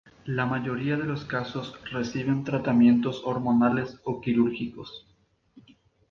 La mayoría de los casos reciben tratamientos Hormonales o quirúrgicos.